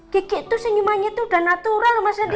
kekik itu senyumannya itu udah natural mas dendi